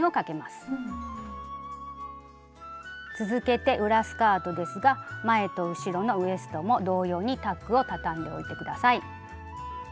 続けて裏スカートですが前と後ろのウエストも同様にタックをたたんでおいて下さい。